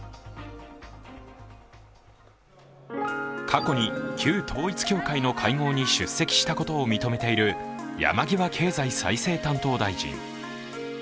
過去に旧統一教会の会合に出席したことを認めている山際経済再生担当大臣。